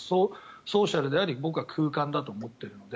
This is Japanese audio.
ソーシャルであり僕は空間だと思っているので。